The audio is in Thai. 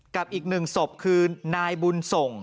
กับอีกหนึ่งศพคือนายบุญส่ง